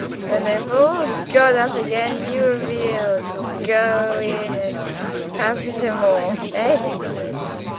When they've all gone up again you and me'll go in and have shome more, eh?"